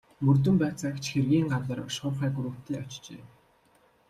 Мөрдөн байцаагч хэргийн газар шуурхай групптэй очжээ.